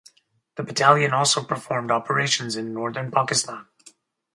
The battalion also performed operations in Northern Pakistan.